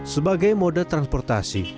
sebagai moda transportasi